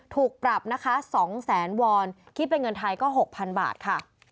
ถูกปรับนะคะ๒แสนวอนคิดเป็นเงินไทยก็๖๐๐๐บาทค่ะ